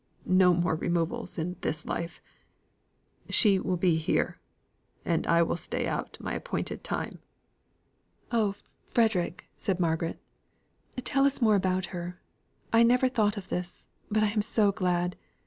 No more removals in this life. She will be here; and here will I stay out my appointed time." "Oh, Frederick," said Margaret, "tell us more about her. I never thought of this; but I am so glad.